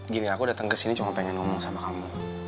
gini aku dateng kesini cuma pengen ngomong sama kamu